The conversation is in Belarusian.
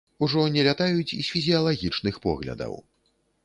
Ужо не лятаюць з фізіялагічных поглядаў.